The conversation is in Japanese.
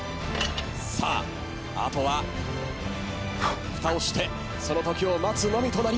さああとはふたをしてその時を待つのみとなりました。